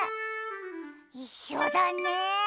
いっしょだね。